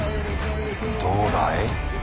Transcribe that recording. どうだい？